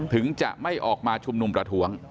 ถึงจะไม่ออกมาชุมนุมประท้วง